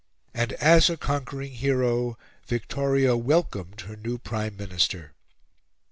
And as a conquering hero Victoria welcomed her new Prime Minister.